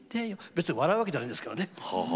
別に笑うわけじゃないですけれどね。